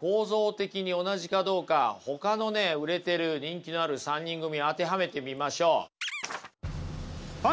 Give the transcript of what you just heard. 構造的に同じかどうかほかのね売れてる人気のある３人組を当てはめてみましょう。